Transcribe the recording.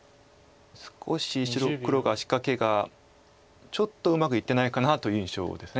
少し黒が仕掛けがちょっとうまくいってないかなという印象です。